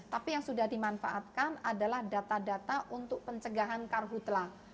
tapi yang sudah dimanfaatkan adalah data data untuk pencegahan karhutlah